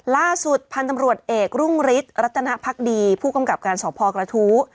ล่าสุดพันธุ์ตำรวจเอกรุ่งฤทธิ์รัตนภักดีผู้กำกับการสอบพอกระทู้